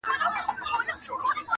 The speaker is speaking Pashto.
ډېر موټران پر هغه خوا روان ول.